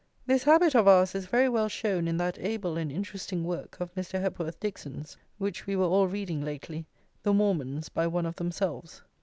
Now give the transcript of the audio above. This habit of ours is very well shown in that able and interesting work of Mr. Hepworth Dixon's, which we were all reading lately, The Mormons, by One of Themselves.